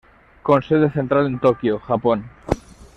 Con sede central en Tokio, Japón.